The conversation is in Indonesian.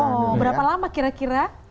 oh berapa lama kira kira